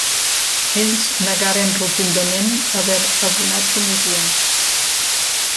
Ells negaren rotundament haver abonat comissions.